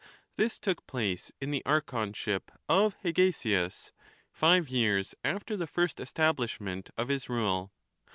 This took place in the archonship of Hegesias, five years after the first establishment of his rule.